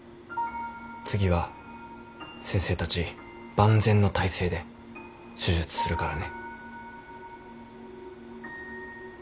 次は先生たち万全の体制で手術するからね。